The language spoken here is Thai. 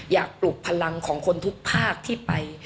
ปลุกพลังของคนทุกภาคที่ไป